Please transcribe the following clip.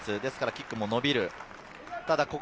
キックも伸びます。